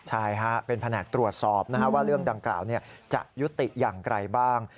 ใช่เป็นแผนกตรวจสอบว่าเรื่องดังกล่าวจะยุติอย่างไรบ้าง